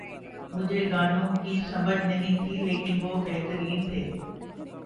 مجھے گانوں کی سمجھ نہیں تھی لیکن وہ بہترین تھے